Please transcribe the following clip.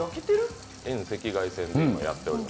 遠赤外線でやっております。